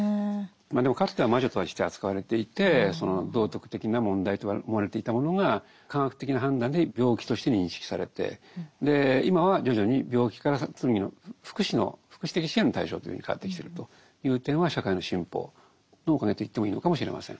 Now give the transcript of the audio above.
でもかつては魔女として扱われていて道徳的な問題と思われていたものが科学的な判断で病気として認識されて今は徐々に病気から次の福祉の福祉的支援の対象というふうに変わってきてるという点は社会の進歩のおかげと言ってもいいのかもしれません。